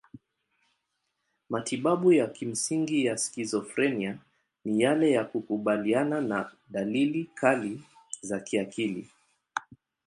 Matibabu ya kimsingi ya skizofrenia ni yale ya kukabiliana na dalili kali za kiakili.